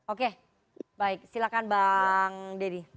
oke baik silakan bang deddy